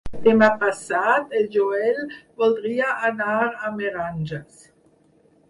Demà passat en Joel voldria anar a Meranges.